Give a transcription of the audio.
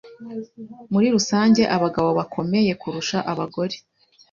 Muri rusange, abagabo bakomeye kurusha abagore.